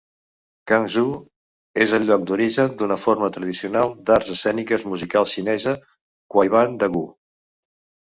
Cangzhou és el lloc d'origen d'una forma tradicional d'arts escèniques musicals xinesa: Kuaiban Dagu.